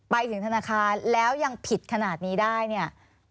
ไปถึงธนาคารแล้วยังผิดขนาดนี้ได้เนี่ย